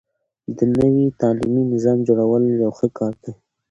د نوي تعليمي نظام جوړول يو ښه کار دی.